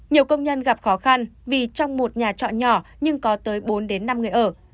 nhiều công nhân gặp khó khăn vì trong một nhà trọ nhỏ nhưng có tới bốn năm người ở